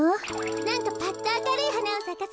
なんかぱっとあかるいはなをさかせてよ。